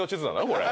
これ。